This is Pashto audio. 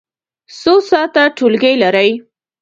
څو ساعته ټولګی لرئ؟